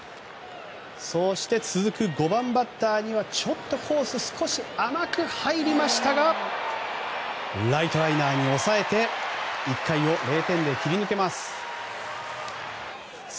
そして続く５番バッターには少しコースが甘く入りましたがライトライナーに抑えて１回を０点で切り抜けます。